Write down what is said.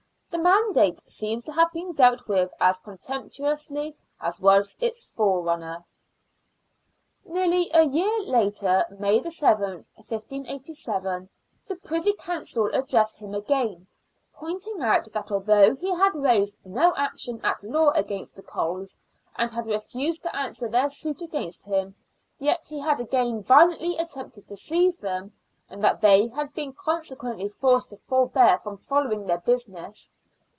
The mandate seems to have been dealt with as contemptuously as was its forerunner. 86 SIXTEENTH CENTURY BRISTOL. Nearly a year later, May 7th, 1587, the Privy Council addressed him again, pointing out that although he had raised no action at law against the Coles, and had refused to answer their suit against him, yet he had again violently attempted to seize them, and that they had been conse quently forced to forebear from following their business.